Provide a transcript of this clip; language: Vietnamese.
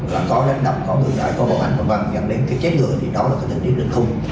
là có đánh đập có bự đại có bọn anh v v dặn đến cái chết người thì đó là cái tính chất định khung